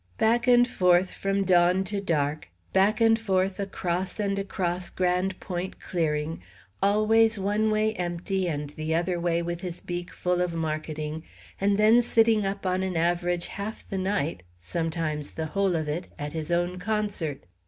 Back and forth from dawn to dark, back and forth across and across Grande Pointe clearing, always one way empty and the other way with his beak full of marketing; and then sitting up on an average half the night sometimes the whole of it at his own concert.